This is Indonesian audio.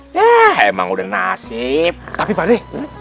ya emang udah nasib tapi balik